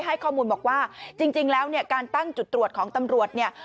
ให้ข้อมูลบอกว่าจริงแล้วเนี่ยการตั้งจุดตรวจของตำรวจเนี่ย